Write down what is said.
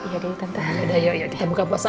ya udah tahan aja ya yuk buka puasa